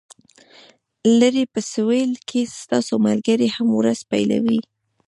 لرې په سویل کې ستاسو ملګري هم ورځ پیلوي